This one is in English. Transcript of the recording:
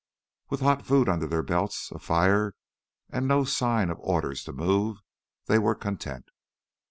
With hot food under their belts, a fire, and no sign of orders to move, they were content.